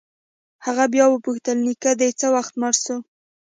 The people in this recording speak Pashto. هغه بيا وپوښتل نيکه دې څه وخت مړ سو.